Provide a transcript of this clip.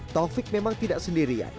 taufik memang tidak sendirian